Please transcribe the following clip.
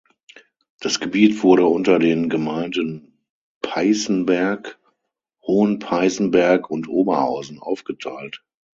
Das Gebiet wurde unter den Gemeinden Peißenberg, Hohenpeißenberg und Oberhausen aufgeteilt.